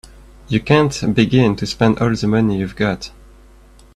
You can't begin to spend all the money you've got.